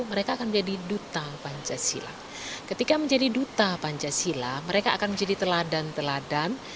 mereka akan menjadi duta pancasila ketika menjadi duta pancasila mereka akan menjadi teladan teladan